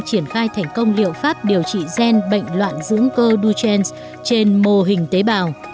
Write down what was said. triển khai thành công liệu pháp điều trị gen bệnh loạn dưỡng cơ duchenne trên mô hình tế bào